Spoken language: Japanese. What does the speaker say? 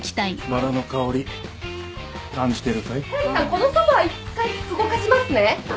このソファ一回動かしますね。